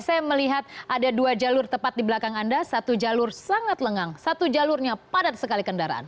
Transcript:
saya melihat ada dua jalur tepat di belakang anda satu jalur sangat lengang satu jalurnya padat sekali kendaraan